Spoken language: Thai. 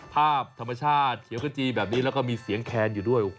ภาพธรรมชาติเขียวขจีแบบนี้แล้วก็มีเสียงแคนอยู่ด้วย